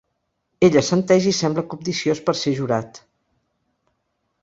Ell assenteix i sembla cobdiciós per ser jurat.